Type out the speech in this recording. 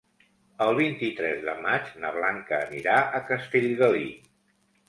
El vint-i-tres de maig na Blanca anirà a Castellgalí.